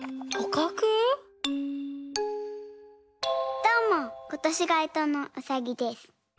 どうもことしがえとのうさぎです。